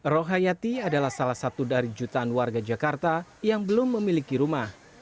rohayati adalah salah satu dari jutaan warga jakarta yang belum memiliki rumah